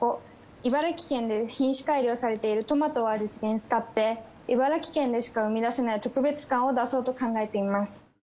茨城県で品種改良されているトマトを味つけに使って茨城県でしか生み出せない特別感を出そうと考えています。